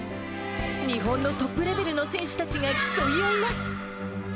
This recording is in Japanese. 日本のトップレベルの選手たちが競い合います。